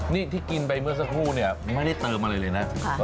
นี่ที่กินไปเมื่อสักครู่นี่มันมันได้เติมเลยแหละ